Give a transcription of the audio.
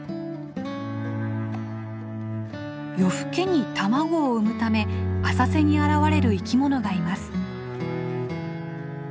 夜更けに卵を産むため浅瀬に現れる生きものがいます。